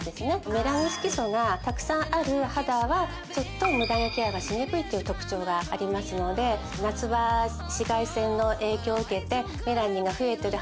メラニン色素がたくさんある肌はちょっとムダ毛ケアがしにくいっていう特徴がありますので夏場紫外線の影響を受けてメラニンが増えてる